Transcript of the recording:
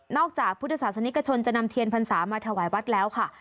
จากพุทธศาสนิกชนจะนำเทียนพรรษามาถวายวัดแล้วค่ะ